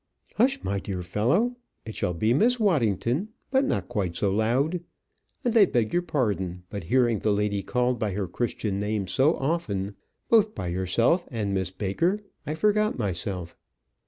"Hush, my dear fellow. It shall be Miss Waddington; but not quite so loud. And I beg your pardon, but hearing the lady called by her Christian name so often, both by yourself and Miss Baker, I forgot myself.